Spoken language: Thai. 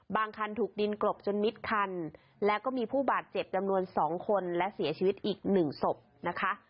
คันถูกดินกลบจนมิดคันแล้วก็มีผู้บาดเจ็บจำนวน๒คนและเสียชีวิตอีกหนึ่งศพนะคะ